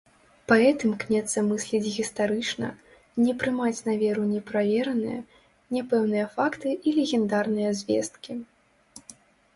Паэт імкнецца мысліць гістарычна, не прымаць на веру неправераныя, няпэўныя факты і легендарныя звесткі.